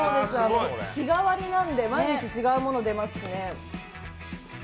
日替わりなので毎日違うものが出ますので。